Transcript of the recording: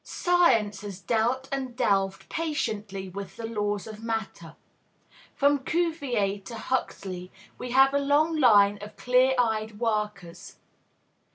Science has dealt and delved patiently with the laws of matter. From Cuvier to Huxley, we have a long line of clear eyed workers.